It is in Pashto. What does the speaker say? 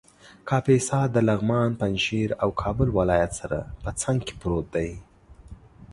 کاپیسا د لغمان ، پنجشېر او کابل ولایت سره په څنګ کې پروت دی